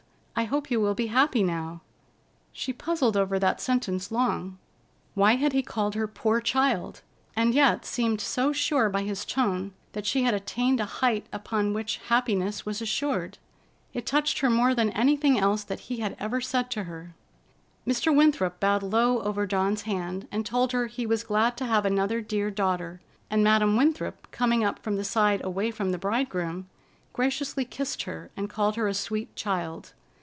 I hope you will be happy now!" She puzzled over that sentence long. Why had he called her "poor child," and yet seemed so sure by his tone that she had attained a height upon which happiness was assured? It touched her more than anything else that he had ever said to her. Mr. Winthrop bowed low over Dawn's hand and told her he was glad to have another dear daughter, and Madam Winthrop, coming up from the side away from the bridegroom, graciously kissed her and called her a sweet child.